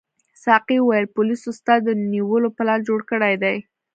ساقي وویل پولیسو ستا د نیولو پلان جوړ کړی دی.